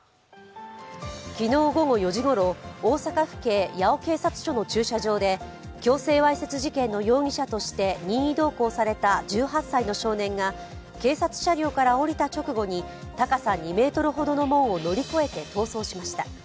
昨日午後４時ごろ大阪府警八尾警察署の駐車場で強制わいせつ事件の容疑者として任意同行された１８歳の少年が警察車両から降りた直後に高さ２ｍほどの門を乗り越えて逃走しました。